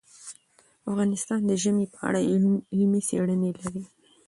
افغانستان د ژمی په اړه علمي څېړنې لري.